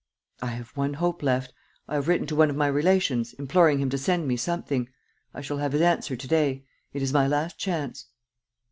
"I have one hope left: I have written to one of my relations, imploring him to send me something. I shall have his answer to day. It is my last chance."